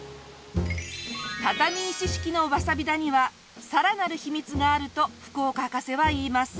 畳石式のわさび田にはさらなる秘密があると福岡博士は言います。